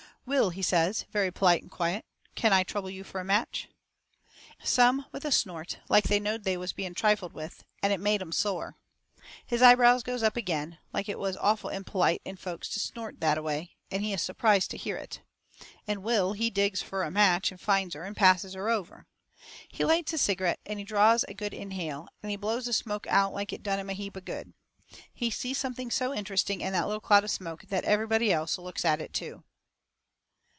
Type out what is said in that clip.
"Will," he says, very polite and quiet, "can I trouble you for a match?" And everybody let go their breath. Some with a snort, like they knowed they was being trifled with, and it made 'em sore. His eyebrows goes up agin, like it was awful impolite in folks to snort that away, and he is surprised to hear it. And Will, he digs fur a match and finds her and passes her over. He lights his cigarette, and he draws a good inhale, and he blows the smoke out like it done him a heap of good. He sees something so interesting in that little cloud of smoke that everybody else looks at it, too.